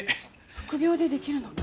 副業でできるのか。